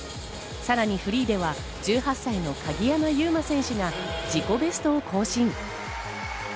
さらにフリーでは１８歳の鍵山優真選手が自己ベストを更新。